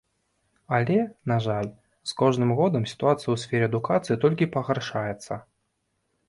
Але, на жаль, з кожным годам сітуацыя ў сферы адукацыі толькі пагаршаецца.